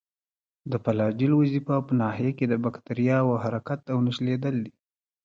د فلاجیل وظیفه په ناحیه کې د باکتریاوو حرکت او نښلیدل دي.